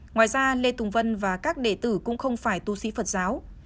ngoài ra lê tùng vân và các đệ tử cũng không phải tu sĩ phật giáo